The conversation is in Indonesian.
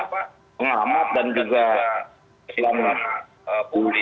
mengamat dan juga silamunas